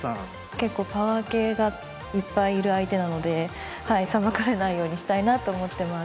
結構パワー系がいっぱいいる相手なのでさばかれないようにしたいなと思ってます。